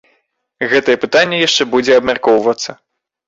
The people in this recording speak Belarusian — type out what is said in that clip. Гэтае пытанне яшчэ будзе абмяркоўвацца.